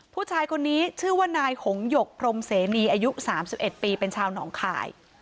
ผู้ชายคนนี้ชื่อว่านายหงหยกพรมเสนีอายุ๓๑ปีเป็นชาวหนองคาย